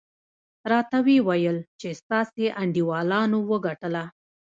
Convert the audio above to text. راته ویې ویل چې ستاسې انډیوالانو وګټله.